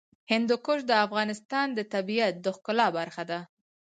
هندوکش د افغانستان د طبیعت د ښکلا برخه ده.